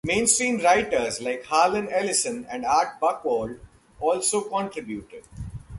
Mainstream writers like Harlan Ellison and Art Buchwald also contributed.